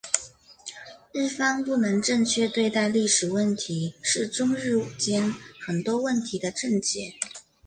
日方不能正确对待历史问题是中日间很多问题的症结。